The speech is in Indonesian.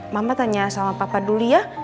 mama tanya sama papa dulu ya